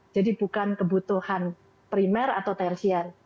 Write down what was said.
jadi bukan kebutuhan primer atau tersier